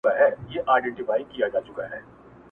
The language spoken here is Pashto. بل زورور دي په ښارونو کي په دار کي خلک-